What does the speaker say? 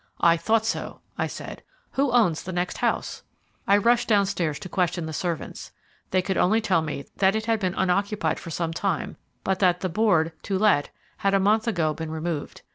"I thought so," I said. "Who owns the next house?" I rushed downstairs to question the servants. They could only tell me that it had been unoccupied for some time, but that the board "To let" had a month ago been removed.